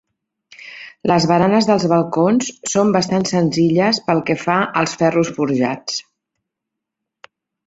Les baranes dels balcons són bastant senzilles, pel que fa als ferros forjats.